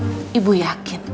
sayang ibu yakin